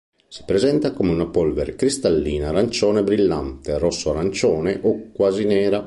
Si presenta come una polvere cristallina arancione brillante, rosso-arancione o quasi nera.